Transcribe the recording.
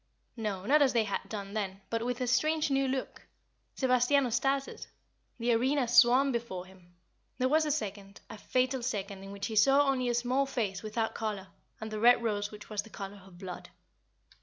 No, not as they had done then, but with a strange new look. Sebastiano started; the arena swam before him; there was a second a fatal second in which he saw only a small face without color and the red rose which was the color of blood.